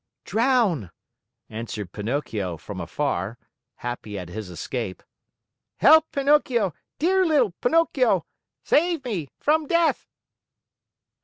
"Drown!" answered Pinocchio from afar, happy at his escape. "Help, Pinocchio, dear little Pinocchio! Save me from death!"